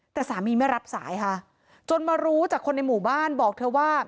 แต่สามีไม่รับสายค่ะจนมารู้จากคนในหมู่บ้านบอกเธอว่า